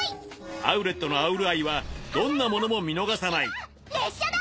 アウレットのアウル・アイはどんなものも見逃さない見つけた列車だ！